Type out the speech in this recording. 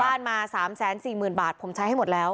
บ้านมา๓๔๐๐๐บาทผมใช้ให้หมดแล้ว